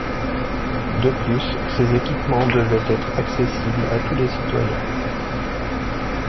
De plus, ces équipements devaient être accessibles à tous les citoyens.